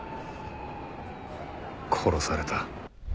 殺された。